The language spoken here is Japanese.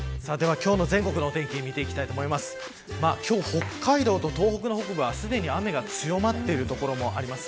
北海道と東北の北部は、すでに雨が強まっている所もあります。